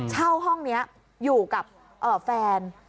เช่าห้องนี้อยู่กับแฟน